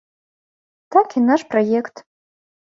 Так і наш праект.